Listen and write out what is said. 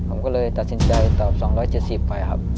ผมก็เลยตัดสินใจตอบ๒๗๐ไปครับ